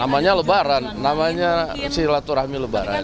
namanya lebaran namanya silaturahmi lebaran